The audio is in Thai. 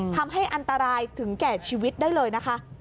ทำให้อันตรายถึงแก่ชีวิตได้เลยนะคะ